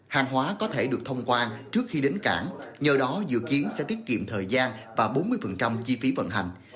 hàng hóa có thể được thông quan trước khi đến cảng nhờ đó dự kiến sẽ tiết kiệm thời gian và bốn mươi chi phí vận hành